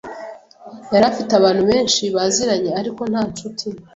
Yari afite abantu benshi baziranye, ariko nta nshuti.